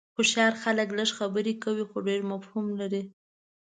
هوښیار خلک لږ خبرې کوي خو ډېر مفهوم لري.